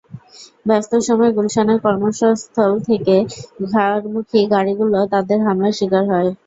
ব্যস্ত সময়ে গুলশানের কর্মস্থল থেকে ঘরমুখী গাড়িগুলো তাঁদের হামলার শিকার হয়।